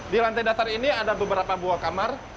di lantai dasar ini ada beberapa buah kamar